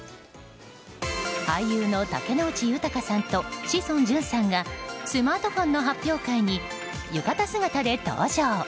俳優の竹野内豊さんと志尊淳さんがスマートフォンの発表会に浴衣姿で登場。